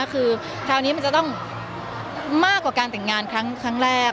คือคราวนี้มันจะต้องมากกว่าการแต่งงานครั้งแรก